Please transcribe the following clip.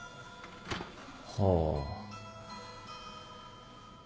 はあ。